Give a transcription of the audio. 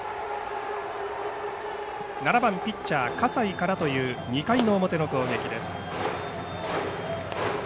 ７番ピッチャー葛西からという２回の表の攻撃です。